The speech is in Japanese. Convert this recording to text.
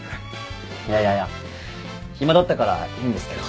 いやいやいや暇だったからいいんですけど。